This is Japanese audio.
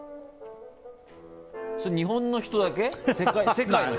それ、日本の人だけ？